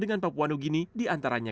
dengan papua nugini diantaranya